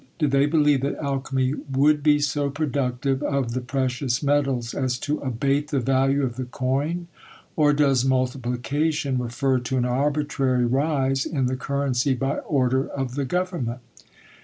Did they believe that alchymy would be so productive of the precious metals as to abate the value of the coin; or does multiplication refer to an arbitrary rise in the currency by order of the government?